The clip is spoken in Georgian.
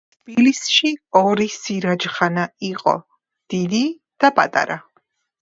თბილისში ორი სირაჯხანა იყო: დიდი და პატარა.